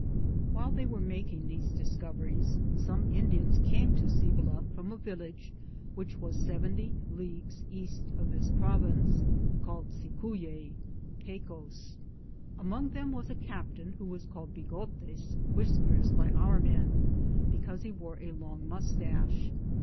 While they were making these discov eries, some Indians came to Cibola from a village which was 70 leagues east of am Google THE JOURNEY OP CORONADO this province, called Cieuye. Among them was a captain who was called Bigotes (Whiskers) by our men, because he wore a long mustache.